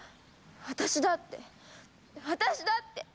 私だって私だって！